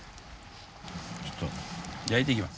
ちょっと焼いていきます。